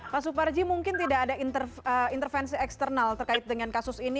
pak suparji mungkin tidak ada intervensi eksternal terkait dengan kasus ini